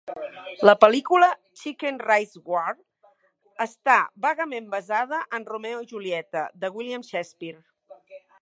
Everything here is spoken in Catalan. La pel·lícula "Chicken Rice War" està vagament basada en "Romeo i Julieta" de William Shakespeare.